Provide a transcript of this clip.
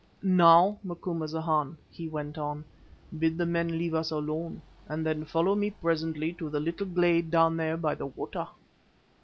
"Now, Macumazahn," he went on, "bid the men leave us alone, and then follow me presently to the little glade down there by the water."